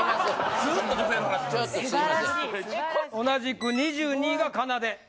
同じく２２位がかなで。